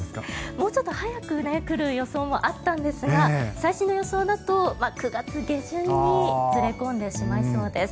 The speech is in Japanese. もうちょっと早く来る予想もあったんですが最新の予想だと９月下旬にずれ込んでしまいそうです。